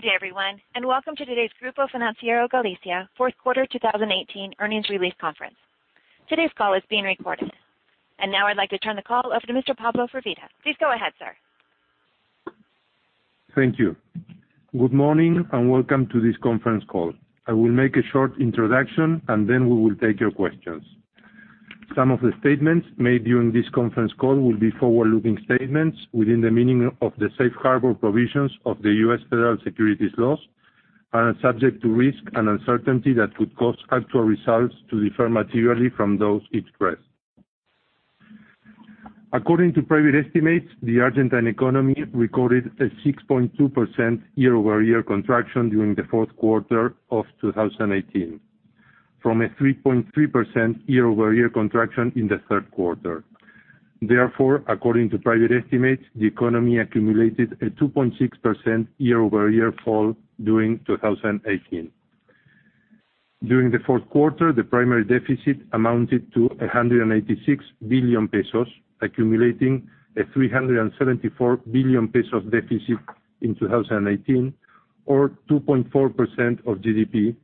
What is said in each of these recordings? Good day everyone, welcome to today's Grupo Financiero Galicia fourth quarter 2018 earnings release conference. Today's call is being recorded. Now I'd like to turn the call over to Mr. Pablo Firvida. Please go ahead, sir. Thank you. Good morning, welcome to this conference call. I will make a short introduction, then we will take your questions. Some of the statements made during this conference call will be forward-looking statements within the meaning of the safe harbor provisions of the U.S. Federal Securities Laws, are subject to risk and uncertainty that could cause actual results to differ materially from those expressed. According to private estimates, the Argentine economy recorded a 6.2% year-over-year contraction during the fourth quarter of 2018, from a 3.3% year-over-year contraction in the third quarter. Therefore, according to private estimates, the economy accumulated a 2.6% year-over-year fall during 2018. During the fourth quarter, the primary deficit amounted to 186 billion pesos, accumulating a 374 billion pesos deficit in 2018, or 2.4% of GDP,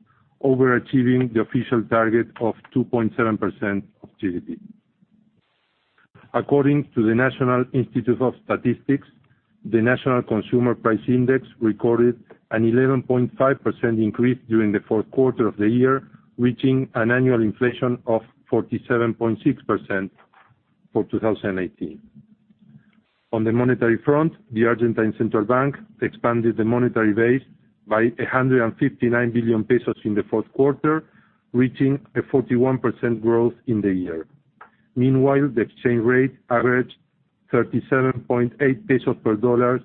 overachieving the official target of 2.7% of GDP. According to the National Institute of Statistics, the national consumer price index recorded an 11.5% increase during the fourth quarter of the year, reaching an annual inflation of 47.6% for 2018. On the monetary front, the Argentine Central Bank expanded the monetary base by 159 billion pesos in the fourth quarter, reaching a 41% growth in the year. Meanwhile, the exchange rate averaged 37.8 pesos per USD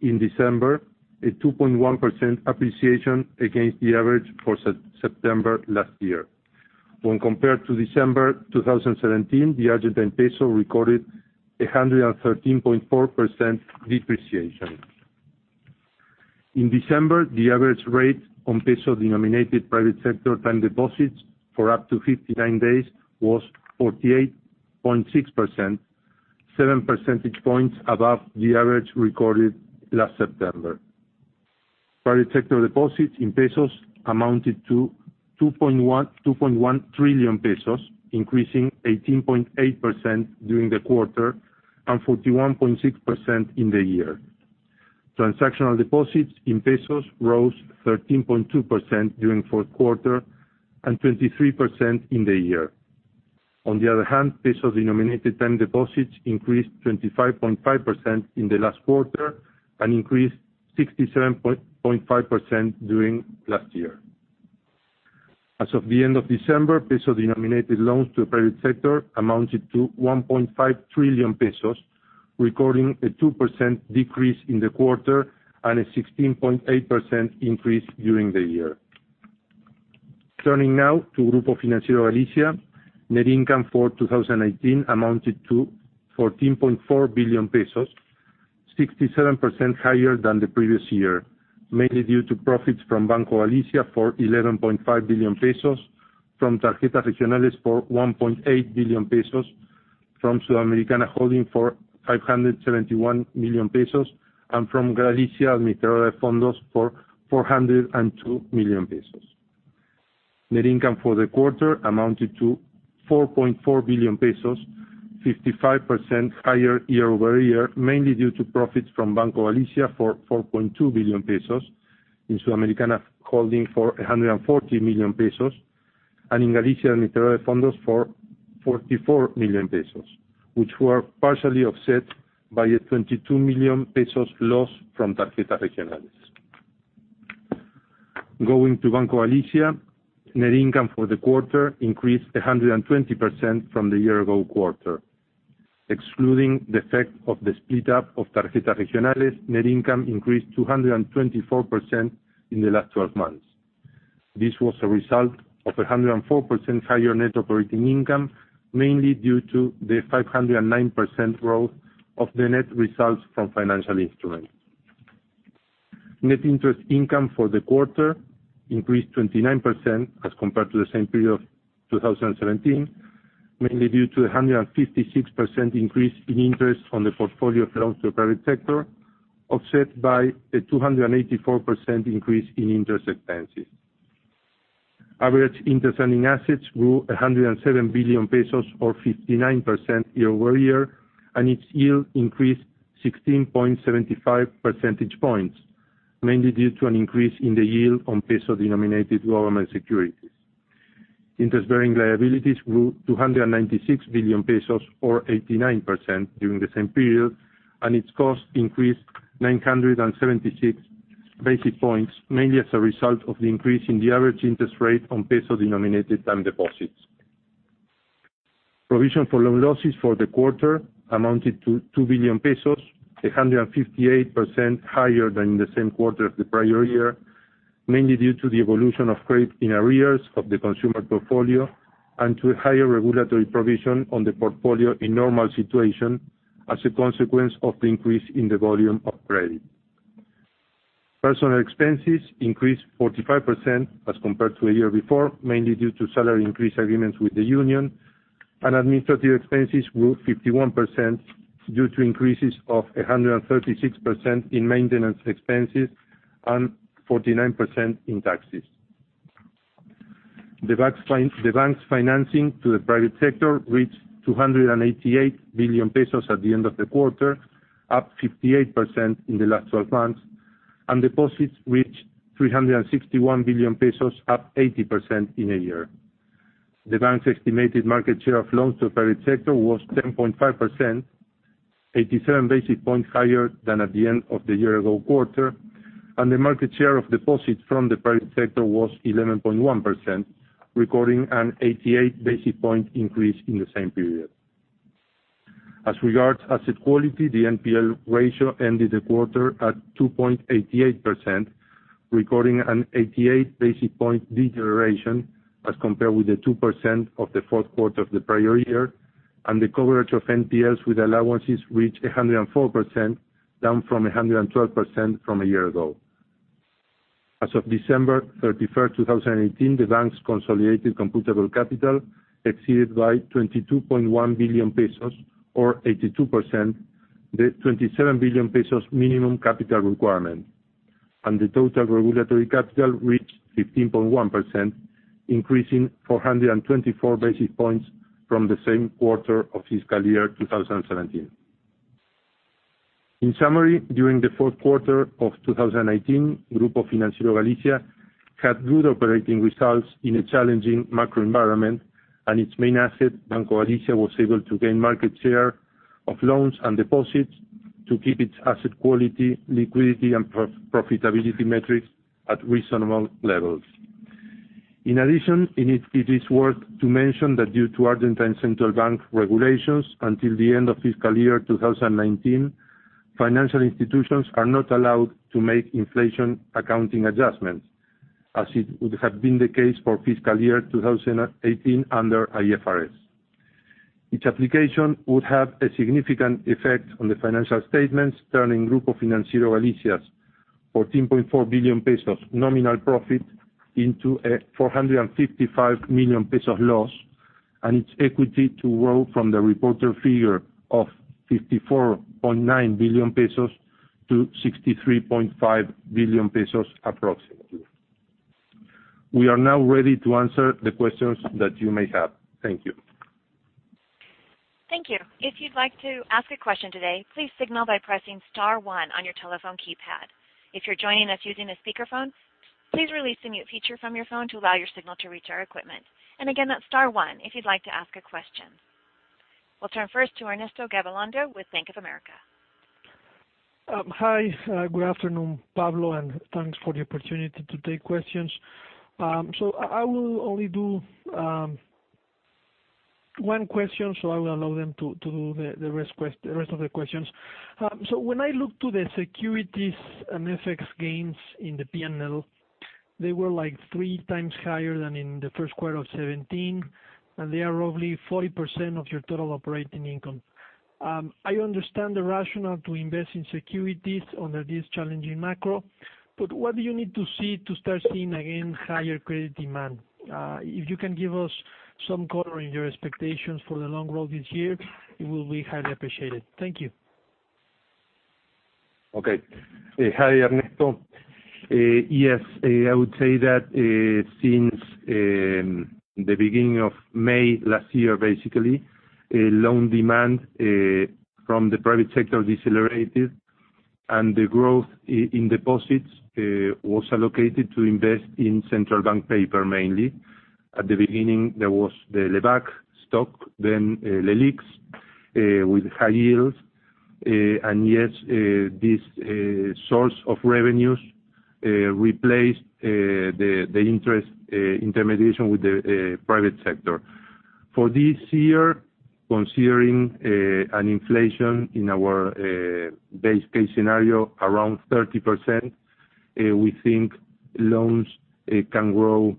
in December, a 2.1% appreciation against the average for September last year. When compared to December 2017, the Argentine peso recorded 113.4% depreciation. In December, the average rate on peso-denominated private sector time deposits for up to 59 days was 48.6%, seven percentage points above the average recorded last September. Private sector deposits in pesos amounted to 2.1 trillion pesos, increasing 18.8% during the quarter and 41.6% in the year. Transactional deposits in pesos rose 13.2% during fourth quarter, 23% in the year. On the other hand, peso-denominated time deposits increased 25.5% in the last quarter, increased 67.5% during last year. As of the end of December, peso-denominated loans to the private sector amounted to 1.5 trillion pesos, recording a 2% decrease in the quarter and a 16.8% increase during the year. Turning now to Grupo Financiero Galicia. Net income for 2018 amounted to 14.4 billion pesos, 67% higher than the previous year, mainly due to profits from Banco Galicia for 11.5 billion pesos, from Tarjetas Regionales for 1.8 billion pesos, from Sudamericana Holding for 571 million pesos, and from Galicia Administradora de Fondos for 402 million pesos. Net income for the quarter amounted to 4.4 billion pesos, 55% higher year-over-year, mainly due to profits from Banco Galicia for 4.2 billion pesos, in Sudamericana Holding for 140 million pesos, and in Galicia Administradora de Fondos for 44 million pesos, which were partially offset by a 22 million pesos loss from Tarjetas Regionales. Going to Banco Galicia, net income for the quarter increased 120% from the year-ago quarter. Excluding the effect of the split up of Tarjetas Regionales, net income increased 224% in the last 12 months. This was a result of 104% higher net operating income, mainly due to the 509% growth of the net results from financial instruments. Net interest income for the quarter increased 29% as compared to the same period of 2017, mainly due to 156% increase in interest on the portfolio of loans to the private sector, offset by a 284% increase in interest expenses. Average interest earning assets grew 107 billion pesos, or 59% year-over-year, and its yield increased 16.75 percentage points, mainly due to an increase in the yield on peso-denominated government securities. Interest-bearing liabilities grew 296 billion pesos or 89% during the same period, and its cost increased 976 basis points, mainly as a result of the increase in the average interest rate on peso-denominated time deposits. Provision for loan losses for the quarter amounted to 2 billion pesos, 158% higher than the same quarter of the prior year, mainly due to the evolution of credit in arrears of the consumer portfolio, and to a higher regulatory provision on the portfolio in normal situation as a consequence of the increase in the volume of credit. Personnel expenses increased 45% as compared to a year before, mainly due to salary increase agreements with the union. Administrative expenses grew 51%, due to increases of 136% in maintenance expenses and 49% in taxes. The bank's financing to the private sector reached 288 billion pesos at the end of the quarter, up 58% in the last 12 months, and deposits reached 361 billion pesos, up 80% in a year. The bank's estimated market share of loans to the private sector was 10.5%, 87 basis points higher than at the end of the year-ago quarter, and the market share of deposits from the private sector was 11.1%, recording an 88 basis point increase in the same period. As regards asset quality, the NPL ratio ended the quarter at 2.88%, recording an 88 basis point deterioration as compared with the 2% of the fourth quarter of the prior year, and the coverage of NPLs with allowances reached 104%, down from 112% from a year ago. As of December 31st, 2018, the bank's consolidated computable capital exceeded by 22.1 billion pesos or 82%, the 27 billion pesos minimum capital requirement. The total regulatory capital reached 15.1%, increasing 424 basis points from the same quarter of fiscal year 2017. In summary, during the fourth quarter of 2018, Grupo Financiero Galicia had good operating results in a challenging macro environment, and its main asset, Banco Galicia, was able to gain market share of loans and deposits to keep its asset quality, liquidity, and profitability metrics at reasonable levels. In addition, it is worth to mention that due to Argentine central bank regulations, until the end of fiscal year 2019, financial institutions are not allowed to make inflation accounting adjustments, as it would have been the case for fiscal year 2018 under IFRS. Each application would have a significant effect on the financial statements, turning Grupo Financiero Galicia's 14.4 billion pesos nominal profit into a 455 million pesos loss, and its equity to grow from the reported figure of 54.9 billion pesos to 63.5 billion pesos approximately. We are now ready to answer the questions that you may have. Thank you. Thank you. If you'd like to ask a question today, please signal by pressing star one on your telephone keypad. If you're joining us using a speakerphone, please release the mute feature from your phone to allow your signal to reach our equipment. Again, that's star one, if you'd like to ask a question. We'll turn first to Ernesto Gabilondo with Bank of America. Hi. Good afternoon, Pablo, and thanks for the opportunity to take questions. I will only do one question, so I will allow them to do the rest of the questions. When I look to the securities and FX gains in the P&L, they were three times higher than in the first quarter of 2017, and they are roughly 40% of your total operating income. I understand the rationale to invest in securities under this challenging macro, but what do you need to see to start seeing, again, higher credit demand? If you can give us some color in your expectations for the long run this year, it will be highly appreciated. Thank you. Okay. Hi, Ernesto. Yes. I would say that since the beginning of May last year, basically, loan demand from the private sector decelerated and the growth in deposits was allocated to invest in central bank paper mainly. At the beginning, there was the LEBAC stock, then LELIQ with high yields. Yes, this source of revenues replaced the interest intermediation with the private sector. For this year, considering an inflation in our base case scenario around 30%, we think loans can grow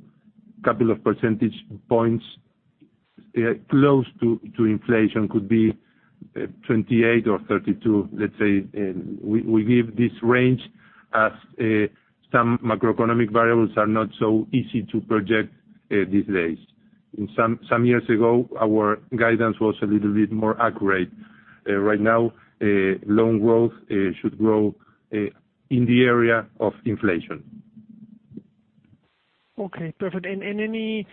a couple of percentage points, close to inflation. Could be 28 or 32, let's say. We give this range as some macroeconomic variables are not so easy to project these days. Some years ago, our guidance was a little bit more accurate. Right now, loan growth should grow in the area of inflation. Okay, perfect. Any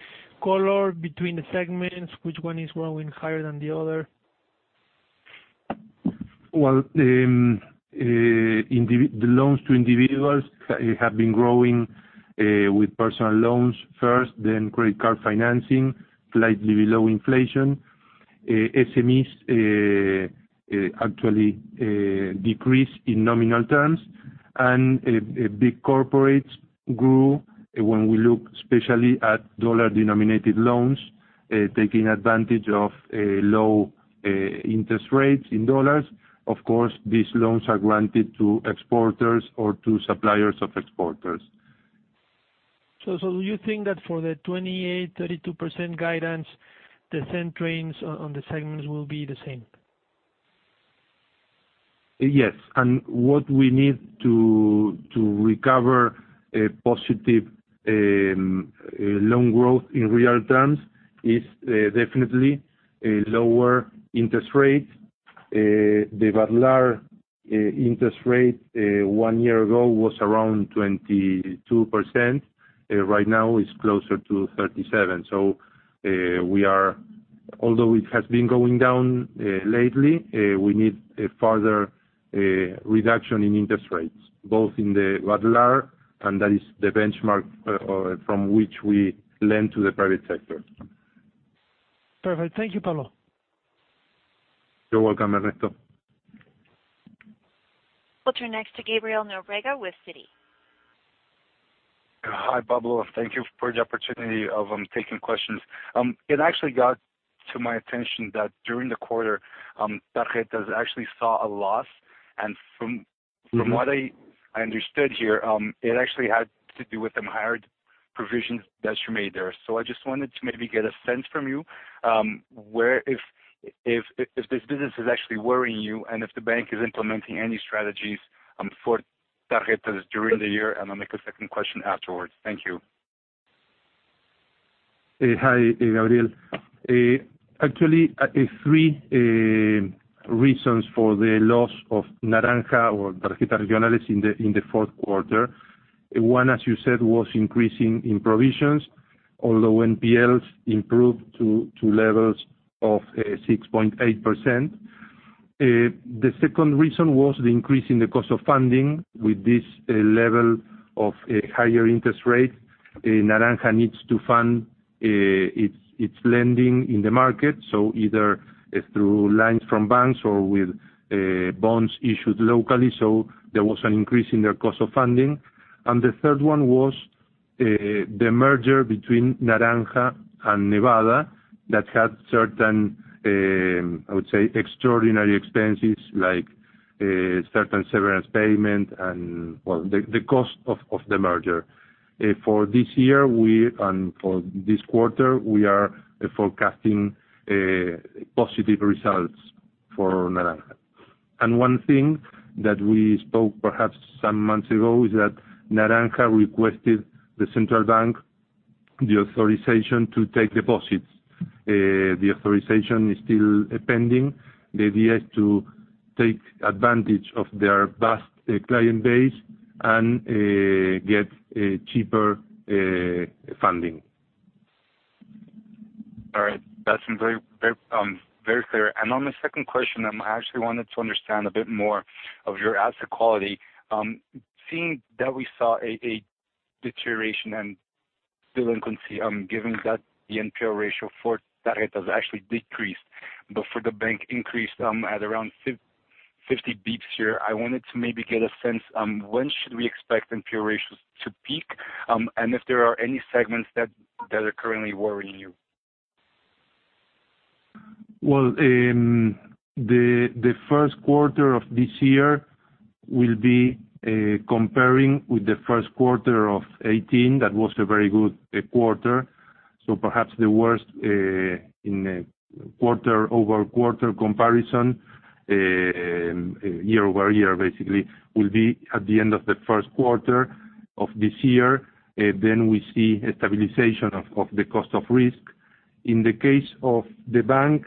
color between the segments, which one is growing higher than the other? Well, the loans to individuals have been growing with personal loans first, then credit card financing, slightly below inflation. SMEs actually decreased in nominal terms, and big corporates grew when we look especially at dollar-denominated loans, taking advantage of low interest rates in dollars. Of course, these loans are granted to exporters or to suppliers of exporters. Do you think that for the 28%-32% guidance, the trend lines on the segments will be the same? Yes. What we need to recover a positive loan growth in real terms is definitely a lower interest rate. The Badlar interest rate one year ago was around 22%. Right now, it's closer to 37%. Although it has been going down lately, we need a further reduction in interest rates, both in the Badlar, and that is the benchmark from which we lend to the private sector. Perfect. Thank you, Pablo. You're welcome, Ernesto. We'll turn next to Gabriel Norega with Citi. Hi, Pablo. Thank you for the opportunity of taking questions. It actually got to my attention that during the quarter, Tarjetas actually saw a loss. What I understood here, it actually had to do with some hired provisions that you made there. I just wanted to maybe get a sense from you if this business is actually worrying you and if the bank is implementing any strategies for Tarjetas during the year, and I'll make a second question afterwards. Thank you. Hi, Gabriel. Actually, three reasons for the loss of Naranja or Tarjetas Regionales in the fourth quarter. One, as you said, was increase in provisions, although NPLs improved to levels of 6.8%. The second reason was the increase in the cost of funding. With this level of higher interest rate, Naranja needs to fund its lending in the market, so either through lines from banks or with bonds issued locally. There was an increase in their cost of funding. The third one was the merger between Naranja and Nevada that had certain, I would say, extraordinary expenses like certain severance payment and the cost of the merger. For this year and for this quarter, we are forecasting positive results for Naranja. One thing that we spoke perhaps some months ago is that Naranja requested the Central Bank, the authorization to take deposits. The authorization is still pending. The idea is to take advantage of their vast client base and get cheaper funding. All right. That's very clear. On the second question, I actually wanted to understand a bit more of your asset quality. Seeing that we saw a deterioration and delinquency given that the NPL ratio for Tarjetas actually decreased, but for the bank increased at around 50 basis points here, I wanted to maybe get a sense, when should we expect NPL ratios to peak, and if there are any segments that are currently worrying you. The first quarter of this year will be comparing with the first quarter of 2018. That was a very good quarter. Perhaps the worst in quarter-over-quarter comparison, year-over-year basically, will be at the end of the first quarter of this year. We see a stabilization of the cost of risk. In the case of the bank,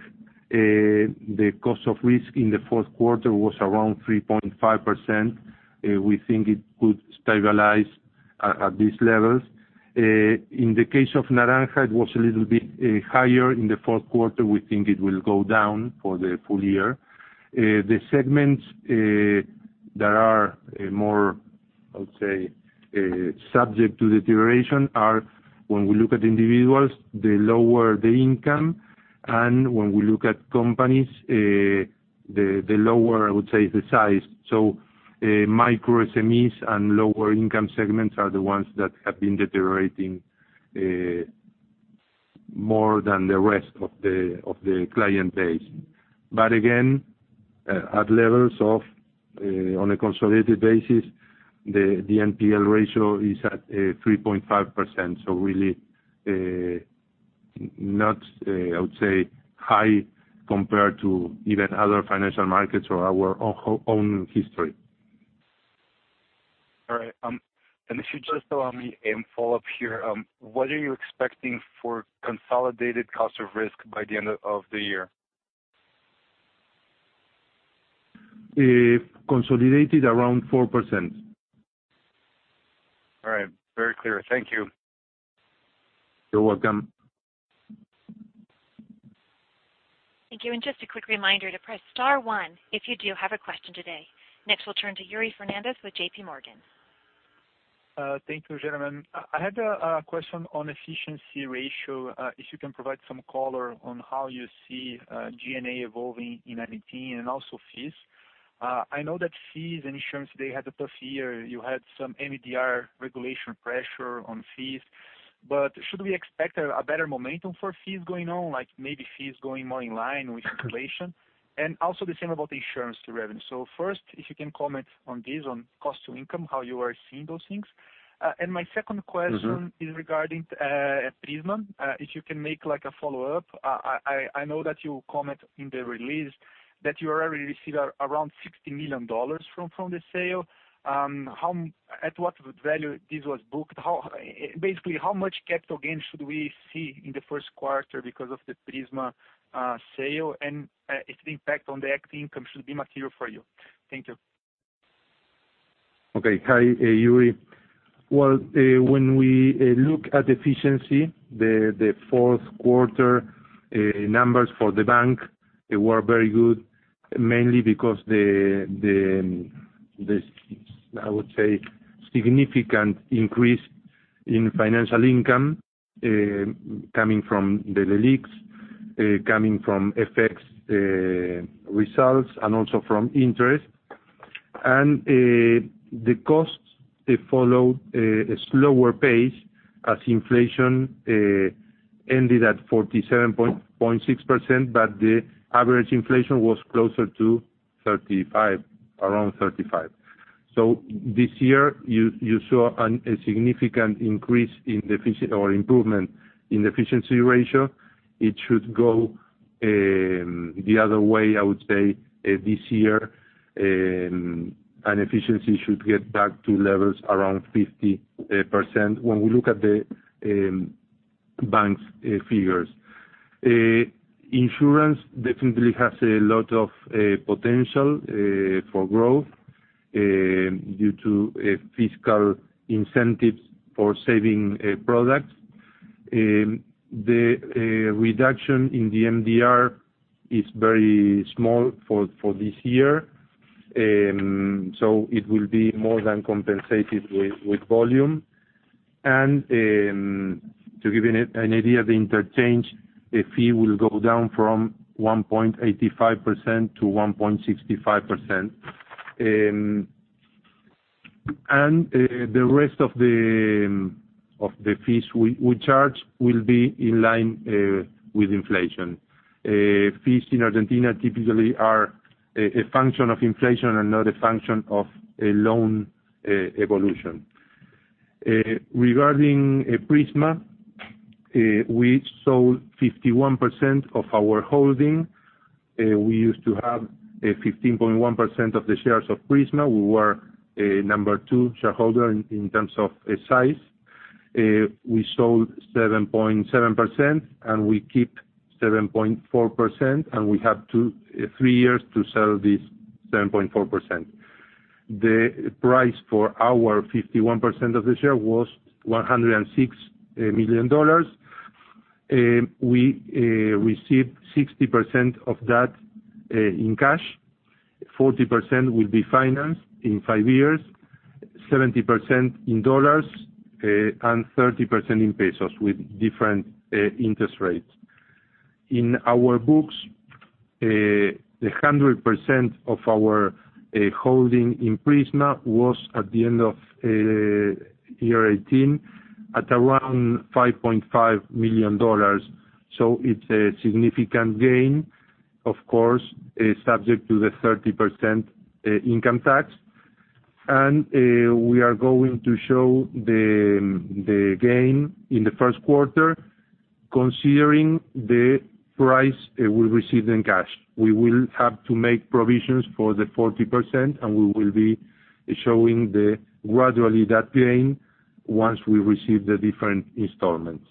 the cost of risk in the fourth quarter was around 3.5%. We think it could stabilize at these levels. In the case of Tarjeta Naranja, it was a little bit higher in the fourth quarter. We think it will go down for the full year. The segments that are more, I would say, subject to deterioration are when we look at individuals, the lower the income, and when we look at companies, the lower, I would say, the size. Micro SMEs and lower income segments are the ones that have been deteriorating more than the rest of the client base. Again, at levels of on a consolidated basis, the NPL ratio is at 3.5%, really not, I would say, high compared to even other financial markets or our own history. All right. If you just allow me a follow-up here, what are you expecting for consolidated cost of risk by the end of the year? Consolidated, around 4%. All right. Very clear. Thank you. You're welcome. Thank you. Just a quick reminder to press star one if you do have a question today. Next, we'll turn to Yuri Fernandes with J.P. Morgan. Thank you, gentlemen. I had a question on efficiency ratio, if you can provide some color on how you see G&A evolving in 2019 and also fees. I know that fees and insurance, they had a tough year. You had some MDR regulation pressure on fees. Should we expect a better momentum for fees going on, like maybe fees going more in line with inflation? Also the same about the insurance revenue. First, if you can comment on this, on cost to income, how you are seeing those things. My second question. is regarding Prisma. If you can make a follow-up. I know that you comment in the release that you already received around $60 million from the sale. At what value this was booked? Basically, how much capital gain should we see in the first quarter because of the Prisma sale? If the impact on the acting income should be material for you? Thank you. Okay. Hi, Yuri. Well, when we look at efficiency, the fourth quarter numbers for the bank were very good, mainly because the, I would say, significant increase in financial income coming from the LELIQs, coming from FX results, and also from interest. The costs followed a slower pace as inflation ended at 47.6%, but the average inflation was closer to 35%, around 35%. This year, you saw a significant increase or improvement in the efficiency ratio. It should go the other way, I would say, this year. Efficiency should get back to levels around 50% when we look at the bank's figures. Insurance definitely has a lot of potential for growth due to fiscal incentives for saving products. The reduction in the MDR is very small for this year. It will be more than compensated with volume. To give you an idea, the interchange fee will go down from 1.85% to 1.65%. The rest of the fees we charge will be in line with inflation. Fees in Argentina typically are a function of inflation and not a function of a loan evolution. Regarding Prisma, we sold 51% of our holding. We used to have 15.1% of the shares of Prisma. We were number 2 shareholder in terms of size. We sold 7.7%, and we keep 7.4%, and we have three years to sell this 7.4%. The price for our 51% of the share was $106 million. We received 60% of that in cash. 40% will be financed in five years, 70% in USD, and 30% in ARS with different interest rates. In our books, the 100% of our holding in Prisma was, at the end of year 2018, at around $5.5 million. It's a significant gain, of course, subject to the 30% income tax. We are going to show the gain in the first quarter, considering the price we received in cash. We will have to make provisions for the 40%. We will be showing gradually that gain once we receive the different installments.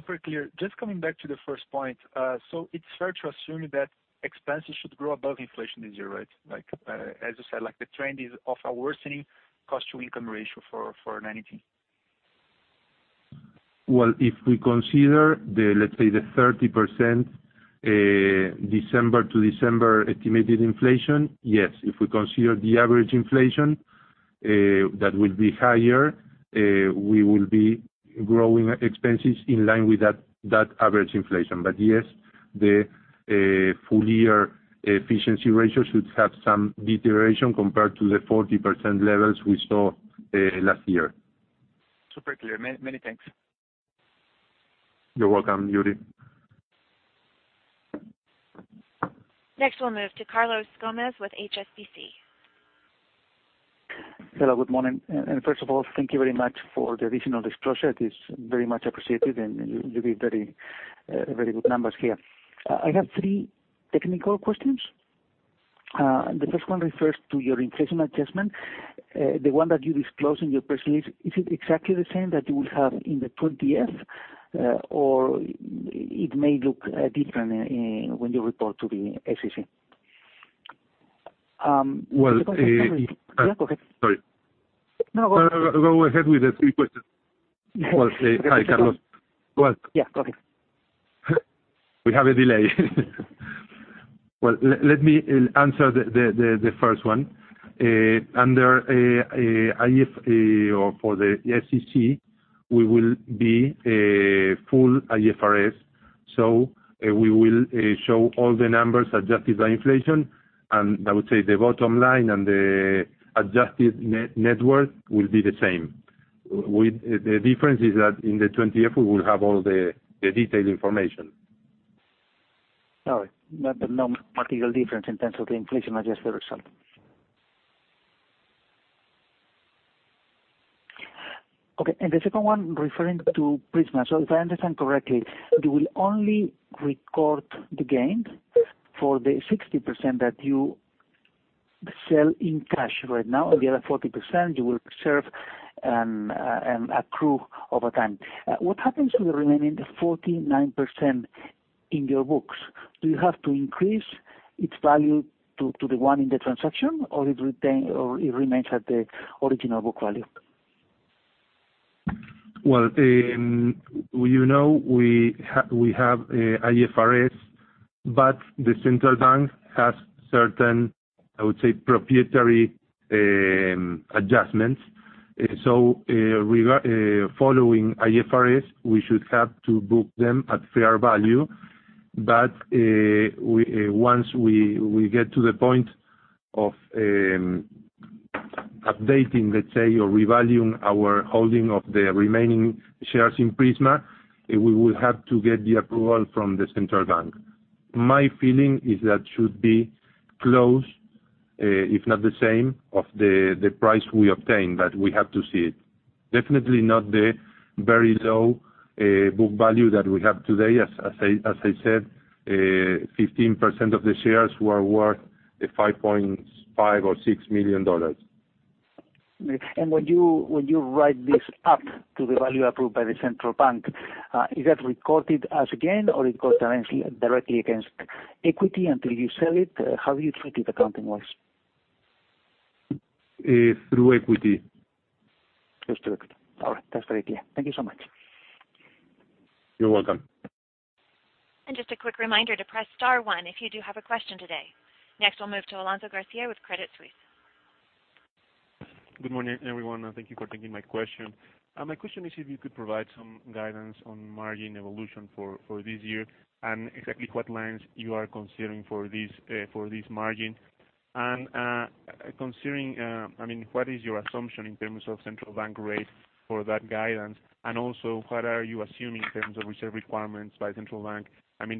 Super clear. Just coming back to the first point. It's fair to assume that expenses should grow above inflation this year, right? As you said, the trend is of a worsening cost to income ratio for 2019. Well, if we consider, let's say, the 30% December to December estimated inflation, yes. If we consider the average inflation, that will be higher. We will be growing expenses in line with that average inflation. Yes, the full year efficiency ratio should have some deterioration compared to the 40% levels we saw last year. Super clear. Many thanks. You're welcome, Yuri. Next, we'll move to Carlos Gomez-Lopez with HSBC. Hello, good morning. First of all, thank you very much for the additional disclosure. It is very much appreciated, and you give very good numbers here. I have three technical questions. The first one refers to your inflation adjustment, the one that you disclose in your press release. Is it exactly the same that you will have in the 20F, or it may look different when you report to the SEC? Well- Yeah, go ahead. Sorry. No, go ahead. Go ahead with the three questions. Well, hi, Carlos. Go ahead. Yeah, go ahead. We have a delay. Well, let me answer the first one. Under IFRS or for the SEC, we will be a full IFRS. We will show all the numbers adjusted by inflation, and I would say the bottom line and the adjusted net worth will be the same. The difference is that in the 20F, we will have all the detailed information. Sorry, no material difference in terms of the inflation-adjusted result. Okay, the second one referring to Prisma. If I understand correctly, you will only record the gain for the 60% that you sell in cash right now. The other 40%, you will serve and accrue over time. What happens to the remaining 49% in your books? Do you have to increase its value to the one in the transaction, or it remains at the original book value? Well, you know we have IFRS, the Central Bank has certain, I would say, proprietary adjustments. Following IFRS, we should have to book them at fair value. Once we get to the point of updating, let's say, or revaluing our holding of the remaining shares in Prisma, we will have to get the approval from the Central Bank. My feeling is that should be close, if not the same of the price we obtain, we have to see it. Definitely not the very low book value that we have today. As I said, 15% of the shares were worth 5.5 million or ARS 6 million. When you write this up to the value approved by the Central Bank, is that recorded as gain or recorded directly against equity until you sell it? How do you treat it accounting-wise? Through equity. Just through equity. All right. That's very clear. Thank you so much. You're welcome. Just a quick reminder to press star one if you do have a question today. Next, we'll move to Alonso Garcia with Credit Suisse. Good morning, everyone. Thank you for taking my question. My question is if you could provide some guidance on margin evolution for this year. Exactly what lines you are considering for this margin? Considering, what is your assumption in terms of Central Bank rate for that guidance? Also, what are you assuming in terms of reserve requirements by Central Bank?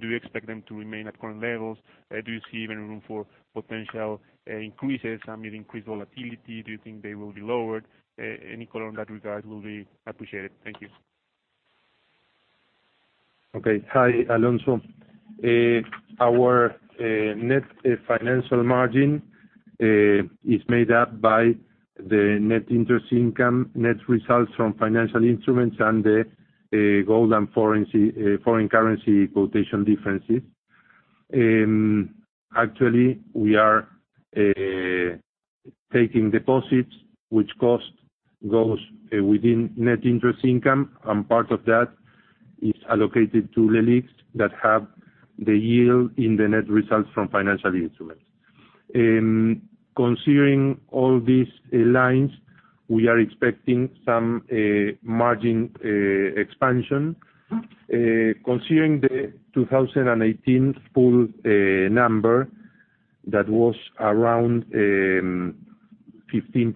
Do you expect them to remain at current levels? Do you see even room for potential increases, increased volatility? Do you think they will be lowered? Any color on that regard will be appreciated. Thank you. Okay. Hi, Alonso. Our net financial margin is made up by the net interest income, net results from financial instruments, and the gold and foreign currency quotation differences. Actually, we are taking deposits which cost goes within net interest income, and part of that is allocated to LELIQs that have the yield in the net results from financial instruments. Considering all these lines, we are expecting some margin expansion. Considering the 2018 full number, that was around 14.7%.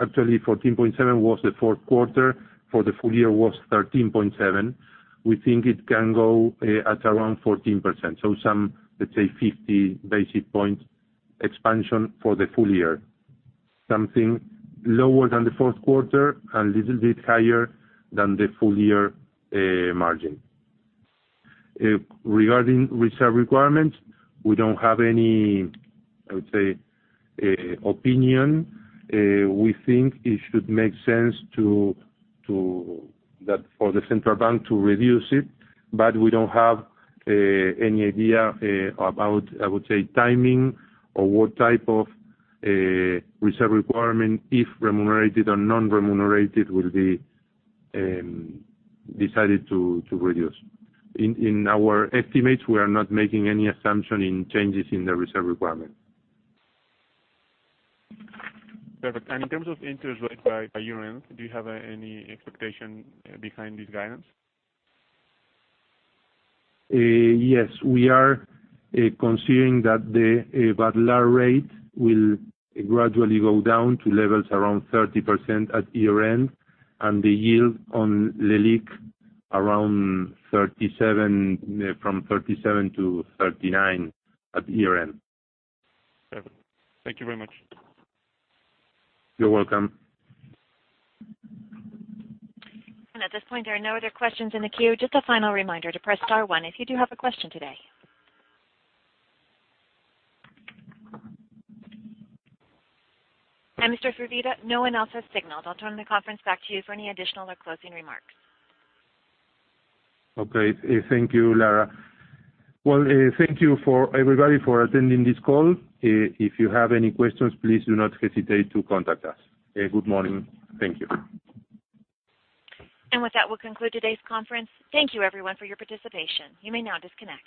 Actually, 14.7% was the fourth quarter. For the full year was 13.7. We think it can go at around 14%. Some, let's say, 50 basis points expansion for the full year. Something lower than the fourth quarter and little bit higher than the full year margin. Regarding reserve requirements, we don't have any, I would say, opinion. We think it should make sense for the Central Bank to reduce it, but we don't have any idea about, I would say, timing or what type of reserve requirement, if remunerated or non-remunerated, will be decided to reduce. In our estimates, we are not making any assumption in changes in the reserve requirement. Perfect. In terms of interest rate by year-end, do you have any expectation behind this guidance? Yes. We are considering that the Badlar rate will gradually go down to levels around 30% at year-end, and the yield on LELIQ from 37%-39% at year-end. Perfect. Thank you very much. You're welcome. At this point, there are no other questions in the queue. Just a final reminder to press star one if you do have a question today. Mr. Firvida, no one else has signaled. I'll turn the conference back to you for any additional or closing remarks. Okay. Thank you, Lara. Well, thank you everybody for attending this call. If you have any questions, please do not hesitate to contact us. Good morning. Thank you. With that, we'll conclude today's conference. Thank you everyone for your participation. You may now disconnect.